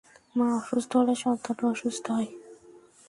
মা অসুস্থ হলে, সন্তানও অসুস্থ হয়।